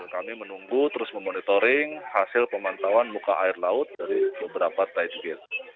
sampai kami menunggu terus memonitoring hasil pemantauan muka air laut dari beberapa tajukir